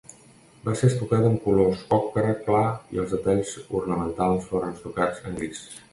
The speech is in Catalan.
Va ser estucada amb colors ocre clar i els detalls ornamentals foren estucats en gris.